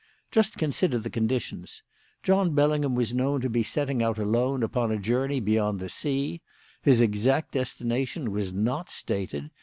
"Just consider the conditions. John Bellingham was known to be setting out alone upon a journey beyond the sea. His exact destination was not stated.